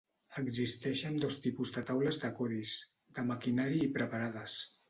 Existeixen dos tipus de taules de codis: de maquinari i preparades.